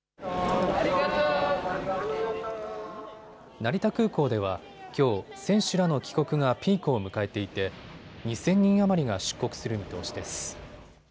成田空港ではきょう、選手らの帰国がピークを迎えていて２０００人余りが出国する見通しです。